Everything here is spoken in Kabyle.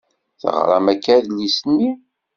Teɣṛam akka adlis-nni?